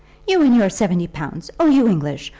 "You, and your seventy pounds! Oh, you English!